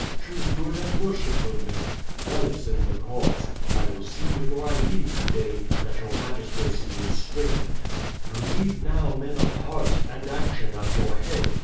Choose good and worshipful men, zealous in the cause. I will see before I leave today that your magistracy is strengthened. You need now men of heart and action at your head.